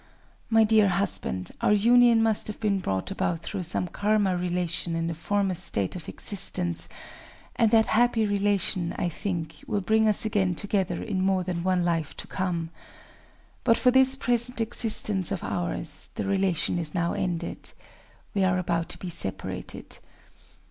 My dear husband, our union must have been brought about through some Karma relation in a former state of existence; and that happy relation, I think, will bring us again together in more than one life to come. But for this present existence of ours, the relation is now ended;—we are about to be separated.